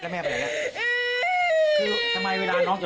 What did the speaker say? เพราะอะไรอ่ะ